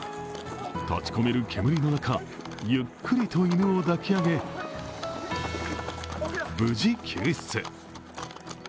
立ちこめる煙の中、ゆっくりと犬を抱き上げ無事、救出。